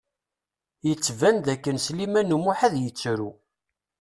Yettban d akken Sliman U Muḥ ad yettru.